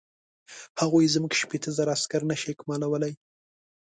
هغوی زموږ شپېته زره عسکر نه شي اکمالولای.